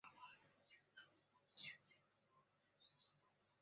而电子元件类似数字开关的动作也可以用在资讯处理上。